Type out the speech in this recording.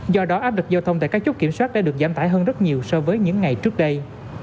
do đó áp lực giao thông tại các chốt kiểm soát đã được giảm tải hơn rất nhiều so với những ngày trước đây